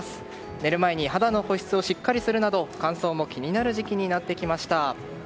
寝る前に肌の保湿をしっかりするなど乾燥の気になる時期になってきました。